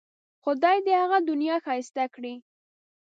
خدای دې یې هغه دنیا ښایسته کړي.